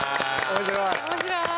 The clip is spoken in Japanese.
面白い。